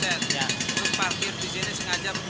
bukan parkir di sini sengaja banten